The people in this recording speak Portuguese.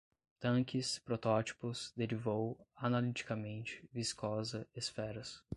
tanques, protótipos, derivou, analiticamente, viscosa, esferas